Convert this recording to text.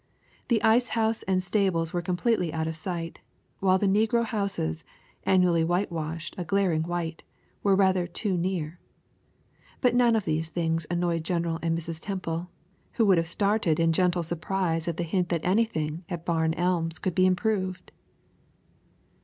The ice house and stables were completely out of sight; while the negro houses, annually whitewashed a glaring white, were rather too near. But none of these things annoyed General and Mrs. Temple, who would have stared in gentle surprise at the hint that anything at Barn Elms could be improved.